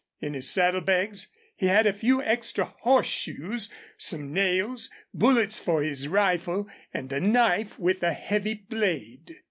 In his saddle bags he had a few extra horseshoes, some nails, bullets for his rifle, and a knife with a heavy blade.